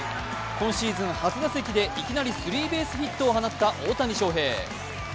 今シーズン初打席でいきなり初ヒットを放った大谷翔平。